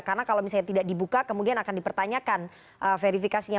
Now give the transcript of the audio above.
karena kalau misalnya tidak dibuka kemudian akan dipertanyakan verifikasinya